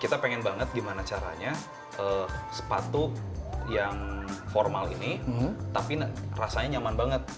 kita pengen banget gimana caranya sepatu yang formal ini tapi rasanya nyaman banget